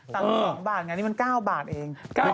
ตัว๒บาทงั้นมัน๙บาทเอง